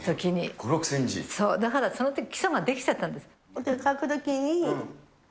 ５、そう、だからそのとき基礎が出来ちゃったんです。